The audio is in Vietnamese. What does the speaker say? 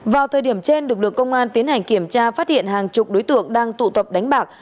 vào thời điểm trên lực lượng công an tiến hành kiểm tra phát hiện hàng chục đối tượng đang tụ tập đánh bạc